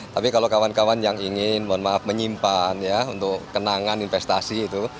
tapi kalau kawan kawan yang ingin mohon maaf menyimpan ya untuk kenangan investasi itu